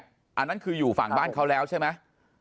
อันนั้นคืออยู่ฝั่งบ้านเขาแล้วใช่ไหม